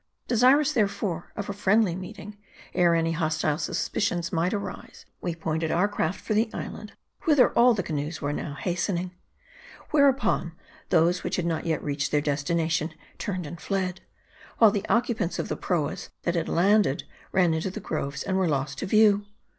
Desirous, therefore, of a friendly meeting, ere any hostile suspicions might arise, we pointed our craft for the island, whither all the canoes were now hastening. "Whereupon, those which had not yet reached their destination, turned and fled ; while the occupants of the proas that had landed, ran into the groves, and were lost to view.